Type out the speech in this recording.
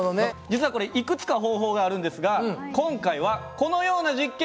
実はこれいくつか方法があるんですが今回はこのような実験をしてみました。